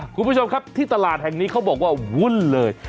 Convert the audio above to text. คุณผู้ชมครับที่ตลาดแห่งนี้เขาบอกว่าวุ่นเลย